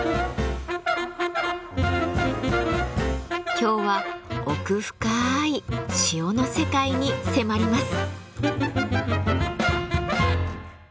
今日は奥深い「塩」の世界に迫ります。